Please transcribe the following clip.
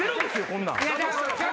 こんなん。